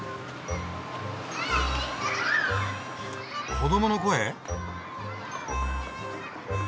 ・子どもの声？